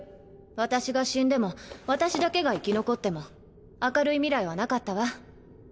私が死んでも私だけが生き残っても明るい未来はなかったわ。